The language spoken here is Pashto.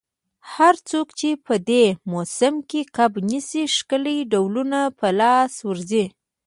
هر څوک چي په دې موسم کي کب نیسي، ښکلي ډولونه په لاس ورځي.